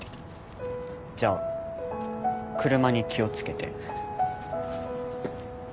じゃあ車に気を付けて。